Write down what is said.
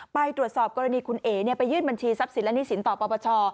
ไปตรวจสอบกรณีคุณเอ๋ไปยื่นบัญชีทรัพย์สินและหนี้สินต่อปปช